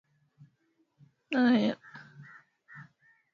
kikwete aliteuliwa kuwa waziri katika wizara mbalimbali